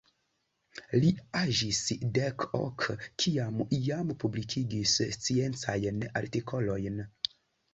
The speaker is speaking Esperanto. Li aĝis dek ok, kiam jam publikigis sciencajn artikolojn.